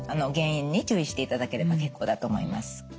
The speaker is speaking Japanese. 減塩に注意していただければ結構だと思います。